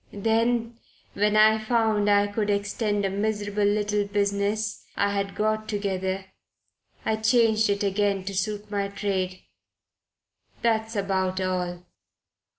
Then, when I found I could extend a miserable little business I had got together, I changed it again to suit my trade. That's about all."